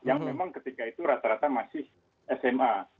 yang memang ketika itu rata rata masih sma